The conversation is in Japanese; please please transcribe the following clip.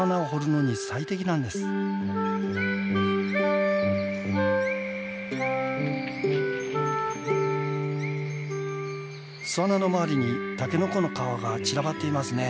巣穴の周りにタケノコの皮が散らばっていますね。